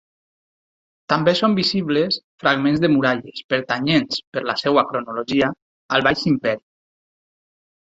També són visibles fragments de muralles, pertanyents, per la seva cronologia, al Baix Imperi.